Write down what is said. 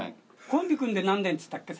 コンビ組んで何年っつったっけ？